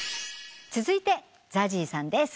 続いてＺＡＺＹさんです。